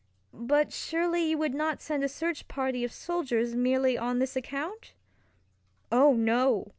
"But surely you would not send a search party of soldiers merely on this account?" "Oh, no!"